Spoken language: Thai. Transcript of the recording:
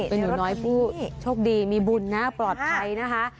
เป็นหนูน้อยผู้โชคดีมีบุญนะปลอดภัยนะคะ